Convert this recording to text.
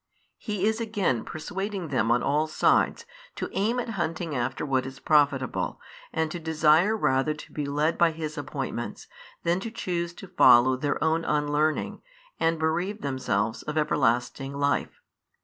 He is again persuading them on all sides to aim at hunting after what is profitable, and to desire rather to be led by His appointments, than to choose to follow their own unlearning and bereave themselves of everlasting life.